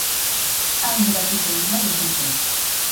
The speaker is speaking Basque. Han geratuko dira betiko.